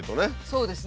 そうですね。